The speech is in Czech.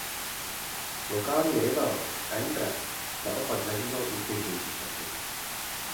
Lokální rival Eintracht naopak zažíval úspěšnější časy.